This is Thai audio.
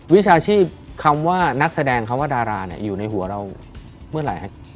วิชาชีพคำว่านักแสดงคำว่าดาราเนี่ยอยู่ในหัวเราเมื่อไหร่ครับ